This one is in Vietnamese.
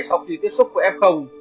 sau khi tiếp xúc với f